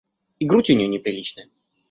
И грудь у нее неприличная.